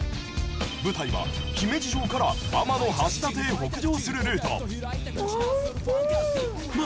舞台は姫路城から天橋立へ北上するルート。